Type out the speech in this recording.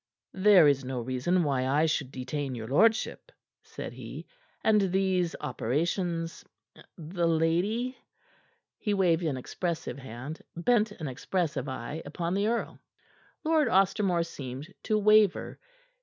"There is no reason why I should detain your lordship," said he, "and these operations The lady " He waved an expressive hand, bent an expressive eye upon the earl. Lord Ostermore seemed to waver.